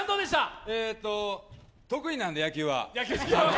得意なんで、野球は。